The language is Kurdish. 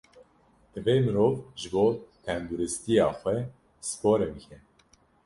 Divê mirov ji bo tenduristiya xwe sporê bike.